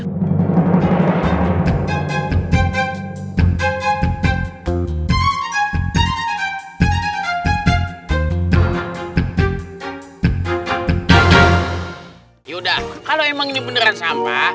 oh iya seda bener emang beneran sampa